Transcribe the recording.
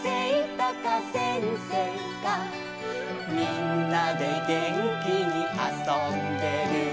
「みんなでげんきにあそんでる」